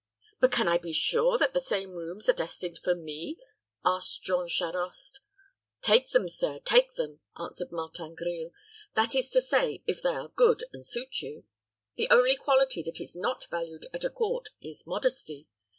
"But can I be sure that the same rooms are destined for me?" asked Jean Charost. "Take them, sir, take them," answered Martin Grille; "that is to say, if they are good, and suit you. The only quality that is not valued at a court is modesty.